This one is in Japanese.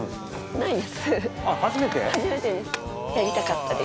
初めてです。